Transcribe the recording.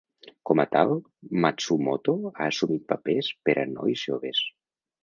Com a tal, Matsumoto ha assumit papers per a nois joves.